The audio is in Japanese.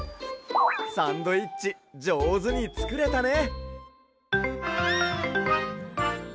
サンドイッチじょうずにつくれたね。